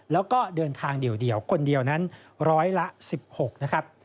แล้วก็เดินทางเดียวคนเดียวนั้นร้อยละ๑๖นะครับ